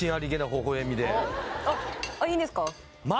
あっいいんですか？